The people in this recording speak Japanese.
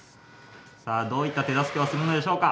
さあどういった手助けをするのでしょうか。